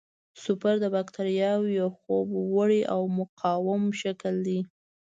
سپور د باکتریاوو یو خوب وړی او مقاوم شکل دی.